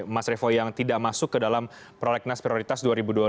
mas revo yang tidak masuk ke dalam prolegnas prioritas dua ribu dua puluh